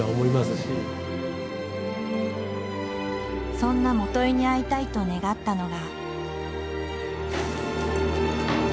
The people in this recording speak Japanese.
そんな元井に会いたいと願ったのが。